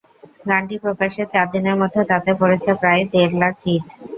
গানটি প্রকাশের চার দিনের মধ্যে তাতে পড়েছে প্রায় দেড় লাখ হিট।